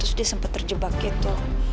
terus dia sempat terjebak gitu